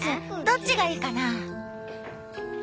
どっちがいいかな？